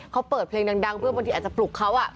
เขาเปิดเพลงดังเพื่อบางทีอาจจะปลุกเขา